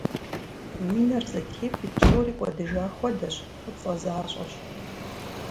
Уи нэр зэтепӀи псори кӀуэдыжа хуэдэщ, фӀыцӀэ защӀэщ.